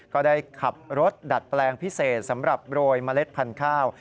ก็ได้ขับรถดัดแปลงพิเศษสำหรับโรยเมล็ดพันธุ์ข้าว